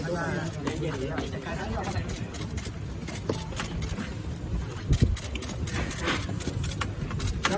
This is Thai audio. มันนึงไม่ได้